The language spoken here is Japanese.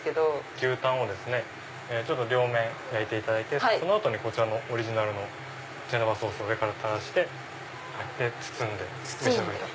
牛タンを両面焼いてその後にこちらのオリジナルのジェノヴァソースを垂らして包んでお召し上がりいただく。